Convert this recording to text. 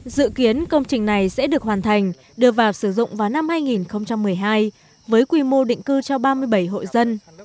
dự kiến công trình này sẽ được hoàn thành đưa vào sử dụng vào năm hai nghìn một mươi hai với quy mô định cư cho ba mươi bảy hộ dân